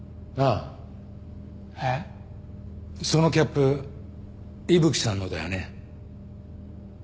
そのキャップ伊吹さんのだよね。